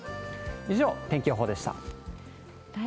以上、天気予報でした。